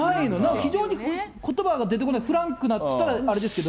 非常にことばが出てこない、フランクなって言ったらあれですけど。